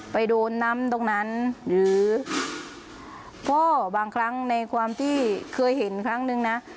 ไปโดนน้ำตรงนั้นหรือพ่อบางครั้งในความที่เคยเห็นครั้งนึงนะ